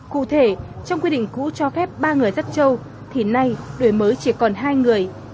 cụ thể trong quy định cũ cho phép ba người dắt châu thì nay đổi mới chỉ còn hai người